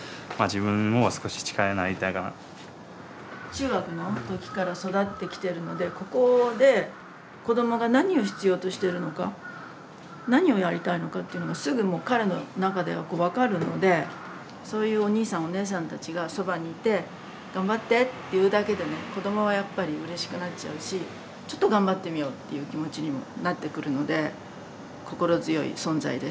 中学の時から育ってきてるのでここで子どもが何を必要としてるのか何をやりたいのかっていうのがすぐもう彼の中ではこう分かるのでそういうおにいさんおねえさんたちがそばにいて頑張ってって言うだけでね子どもはやっぱりうれしくなっちゃうしちょっと頑張ってみようっていう気持ちにもなってくるので心強い存在です。